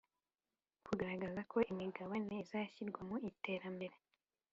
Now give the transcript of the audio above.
kugaragaza ko imigabane izashyirwa mu iterambere